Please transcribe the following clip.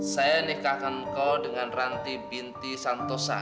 saya nikahkan kau dengan ranti binti santosa